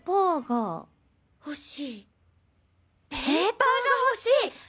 ペーパーが欲しい！